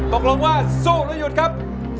ตกลงว่าสู้หรือหยุดครับ